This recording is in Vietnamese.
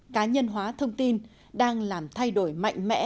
cá nhân hóa thông tin đang làm thay đổi mạnh mẽ